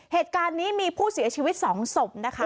เหตุการณ์นี้มีผู้เสียชีวิต๒ศพนะคะ